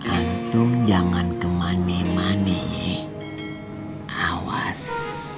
antum jangan kemani mani awas